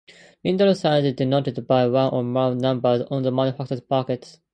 Needle size is denoted by one or more numbers on the manufacturer's packet.